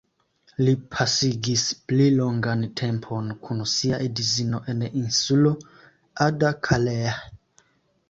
Li pasigis pli longan tempon kun sia edzino en insulo Ada-Kaleh.